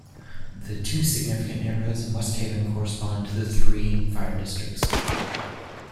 The two significant neighborhoods in West Haven correspond to the three fire districts.